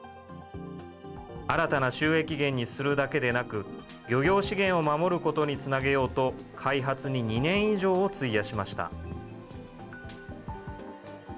新たな収益源にするだけでなく、漁業資源を守ることにつなげようと、開発に２年以上を費やしました。